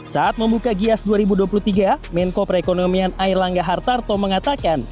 saat membuka gias dua ribu dua puluh tiga menko perekonomian air langga hartarto mengatakan